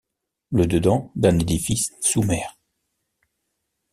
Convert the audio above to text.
Le dedans d’un édifice sous mer